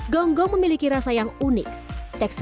gonggong memiliki rasa yang unik tekstur